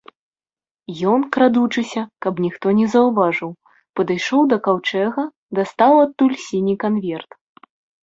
Ён, крадучыся, каб ніхто не заўважыў, падышоў да каўчэга, дастаў адтуль сіні канверт.